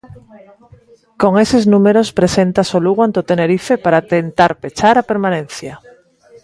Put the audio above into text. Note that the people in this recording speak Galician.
Con eses números preséntase o Lugo ante o Tenerife para tentar pechar a permanencia.